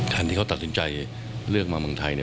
ที่เขาตัดสินใจเลือกมาเมืองไทย